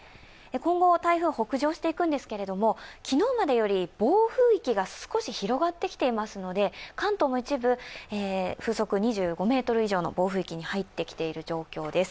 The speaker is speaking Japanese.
今後、台風は北上していくんですけれども、昨日より暴風域が広がってきているので関東の一部風速２５メートル以上の暴風域に入ってきている状況です。